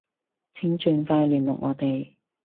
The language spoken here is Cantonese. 請盡快聯絡我哋